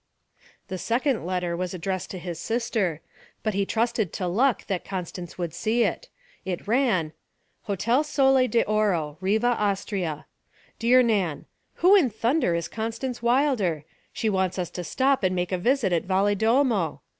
The second letter was addressed to his sister, but he trusted to luck that Constance would see it. It ran 'HOTEL SOLE D'ORO, 'RIVA, AUSTRIA. 'DEAR NAN: Who in thunder is Constance Wilder? She wants us to stop and make a visit in Valedolmo.